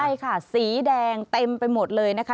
ใช่ค่ะสีแดงเต็มไปหมดเลยนะคะ